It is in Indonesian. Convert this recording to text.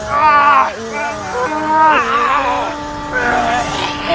kau akan diserang kami